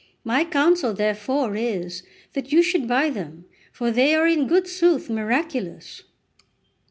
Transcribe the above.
My counsel therefore is, that you should buy them, for they are in good sooth miraculous."